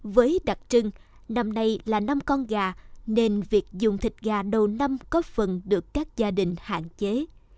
với đặc trưng năm nay là năm con gà nên việc dùng thịt gà đầu năm có phần được các gia đình hạn chế